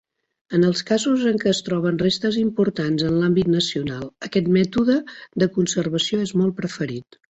En els casos en què es troben restes importants en l'àmbit nacional, aquest mètode de conservació és molt preferit.